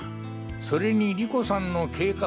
それに莉子さんの計画。